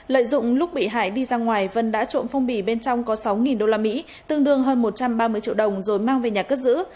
lợi dụng lúc bị hại đi ra ngoài vân đã trộm phong bì bên trong có sáu usd tương đương hơn một trăm ba mươi triệu đồng rồi mang về nhà cất giữ